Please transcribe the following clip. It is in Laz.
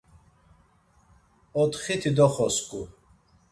Otxiti doxosǩu.